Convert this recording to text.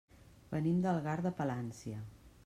Venim d'Algar de Palància.